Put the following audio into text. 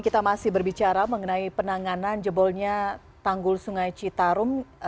kita masih berbicara mengenai penanganan jebolnya tanggul sungai citarum